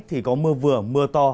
thì có mưa vừa mưa to